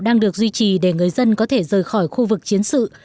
đang được duy trì để người dân có thể rời khỏi khu vực chiến sự